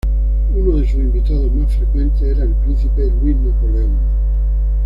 Uno de sus invitados más frecuentes era el príncipe Luis Napoleón.